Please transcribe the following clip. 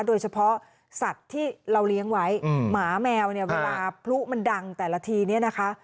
โดยเฉพาะสัตว์ที่เราเลี้ยงไว้หมาแมวเนี่ยเวลาพลุมันดังแต่ละทีเนี่ยนะคะ